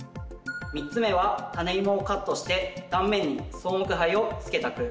３つ目はタネイモをカットして断面に草木灰をつけた区。